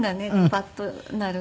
パッとなるので。